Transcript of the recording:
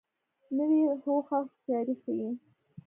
نوې هوښه هوښیاري ښیي